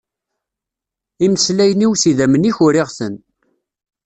Imeslayen-iw s yidammen-ik uriɣ-ten.